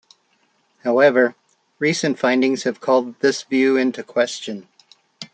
However, recent findings have called this view into question.